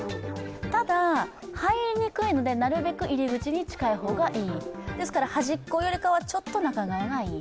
ただ、入りにくいのでなるべく入り口に近い方がいい端っこよりはちょっと中側がいい。